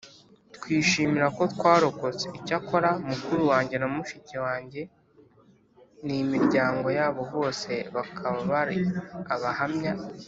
Twishimira ko twarokotse Icyakora mukuru wanjye na mushiki wanjye n imiryango yabo bose bakaba bari Abahamya